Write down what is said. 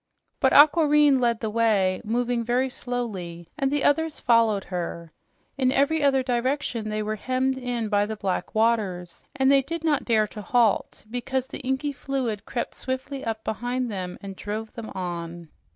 But Aquareine led the way, moving very slowly, and the others followed her. In every other direction they were hemmed in by the black waters, and they did not dare to halt, because the inky fluid crept swiftly up behind them and drove them on.